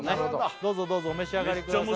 どうぞどうぞお召し上がりください